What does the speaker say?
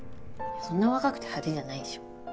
そんな若くて派手じゃないでしょ。